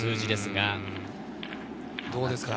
どうですかね。